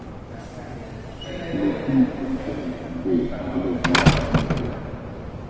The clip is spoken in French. Tous les titres sont de Laura Nyro.